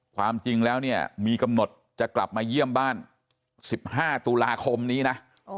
ความจริงแล้วเนี่ยมีกำหนดจะกลับมาเยี่ยมบ้าน๑๕ตุลาคมนี้นะ